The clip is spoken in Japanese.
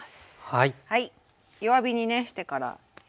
はい。